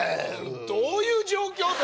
どういう状況？